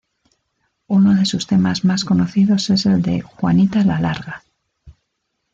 Uno de sus temas más conocidos es el de "Juanita la larga".